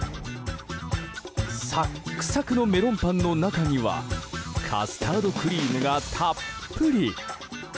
サックサクのメロンパンの中にはカスタードクリームがたっぷり。